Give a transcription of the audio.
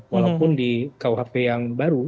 walaupun di kuhp yang baru